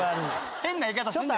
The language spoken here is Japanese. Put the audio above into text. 変な言い方すんじゃない。